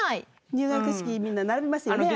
入学式みんな並びますよね